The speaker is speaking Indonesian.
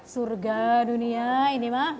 surga dunia ini mah